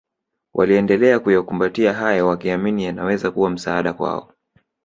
waliendelea kuyakumbatia hayo wakiamini yanaweza kuwa msaada kwao